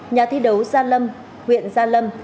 nhà thi đấu gia lâm huyện gia lâm